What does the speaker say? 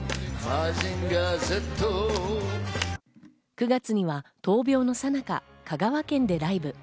９月には闘病のさなか、香川県でライブ。